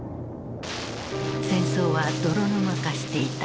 戦争は泥沼化していた。